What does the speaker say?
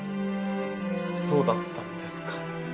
そうだったんですか。